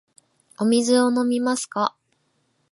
お水を飲みますか。